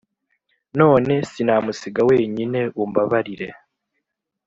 none sinamusiga wenyine umbabarire.»